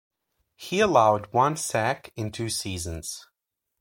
He allowed one sack in two seasons.